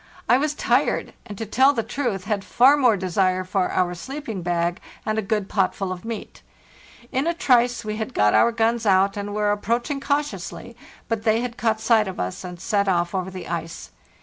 I was tired, and, to tell the truth, had far more desire for our sleeping bag and a good potful of meat. Ina trice we had got our guns out, and were approaching cautiously; but they had caught sight of us, and set off over the ice.